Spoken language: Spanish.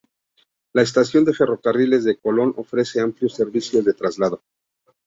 La Estación de Ferrocarriles de Colón ofrece amplios servicios de traslado.